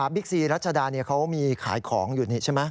ซีรัชดาเขามีขายของอยู่นี่ใช่ไหม